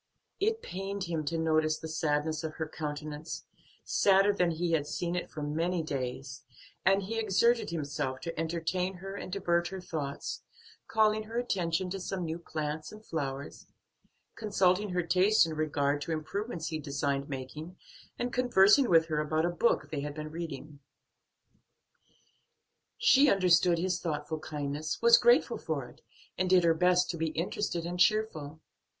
It pained him to notice the sadness of her countenance, sadder than he had seen it for many days, and he exerted himself to entertain her and divert her thoughts, calling her attention to some new plants and flowers, consulting her taste in regard to improvements he designed making, and conversing with her about a book they had been reading. She understood his thoughtful kindness, was grateful for it, and did her best to be interested and cheerful.